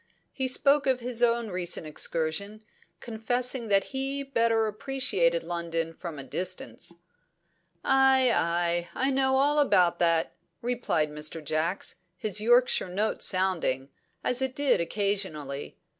He spoke of his own recent excursion, confessing that he better appreciated London from a distance. "Ay, ay! I know all about that," replied Mr. Jacks, his Yorkshire note sounding, as it did occasionally.